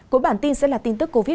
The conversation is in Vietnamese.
của bản tin sẽ là tin tức covid